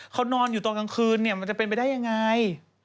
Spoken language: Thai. เขานอนอยู่ตอนกลางคืนเนี่ยมันจะเป็นไปได้ยังไง